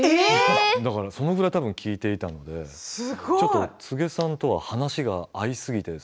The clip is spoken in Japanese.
だからそれぐらい聴いていたので柘植さんとは話が合いすぎて。